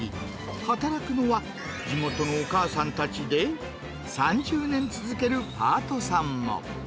働くのは地元のお母さんたちで、３０年続けるパートさんも。